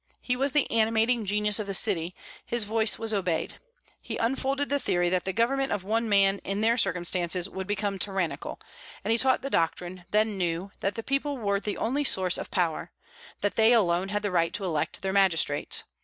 He was the animating genius of the city; his voice was obeyed. He unfolded the theory that the government of one man, in their circumstances, would become tyrannical; and he taught the doctrine, then new, that the people were the only source of power, that they alone had the right to elect their magistrates.